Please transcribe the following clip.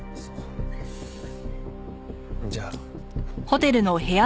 じゃあ。